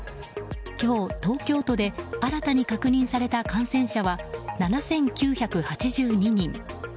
今日、東京都で新たに確認された感染者は７９８２人。